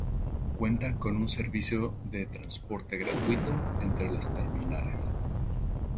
Cuenta con un servicio de transporte gratuito entre las terminales.